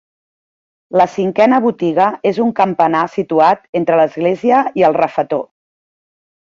La cinquena botiga és un campanar situat entre l'església i el refetor.